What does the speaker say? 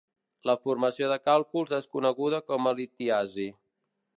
La formació de càlculs és coneguda com a litiasi.